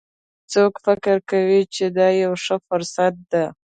څوک فکر کوي چې دا یوه ښه فرصت ده